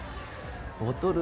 ボトル